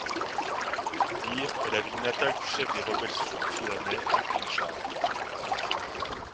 Leer est la ville natale du chef des rebelles sud-soudanais Riek Machar.